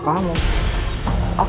oke aku masuk